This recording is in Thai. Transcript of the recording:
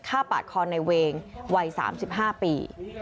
ปาดคอในเวงวัย๓๕ปี